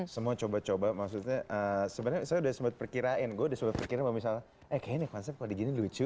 semua coba coba maksudnya sebenarnya sudah sempat perkirain gue sudah terkira misal kayaknya lucu